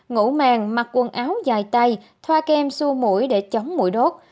ngủ màng mặc quần áo dài tay thoa kem xua mũi để chống mũi đốt